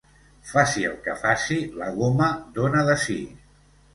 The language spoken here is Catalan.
Faci el que faci, la goma dóna de si.